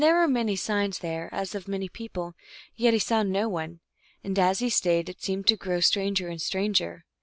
were many signs there, as of many people, yet he saw no one. And as he stayed it seemed to grow stranger and stranger.